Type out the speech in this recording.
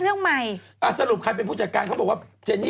เรื่องเขาทะเลาะกันเธอกับใครคะอ้าวก็เจนนี่